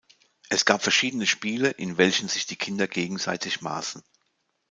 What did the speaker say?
Es gab verschiedene Spiele, in welchen sich die Kinder gegenseitig maßen.